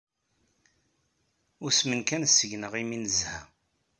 Usmen kan seg-neɣ imi ay nezha.